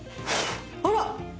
あら！